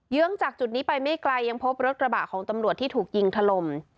ื้องจากจุดนี้ไปไม่ไกลยังพบรถกระบะของตำรวจที่ถูกยิงถล่ม